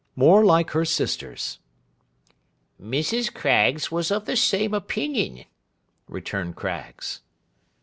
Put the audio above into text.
More like her sister's.' 'Mrs. Craggs was of the same opinion,' returned Craggs.